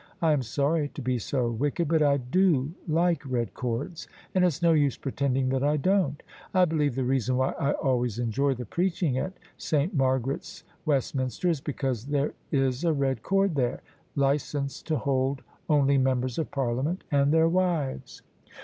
I am sorry to be so wicked, but I do like red cords, and it's no use pretending that I don't. I believe the reason why I always enjoy the preaching at S. Margaret's, Westminster, is because there is a red cord there, licensed to hold only Members of Parliament and their Wives.